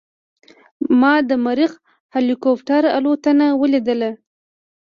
ما د مریخ هلیکوپټر الوتنه ولیدله.